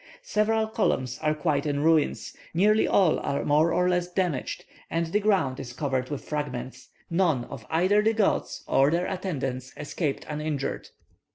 Several columns are quite in ruins; nearly all are more or less damaged, and the ground is covered with fragments. None of either the gods or their attendants escaped uninjured.